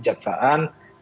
tidak ikut dalam perang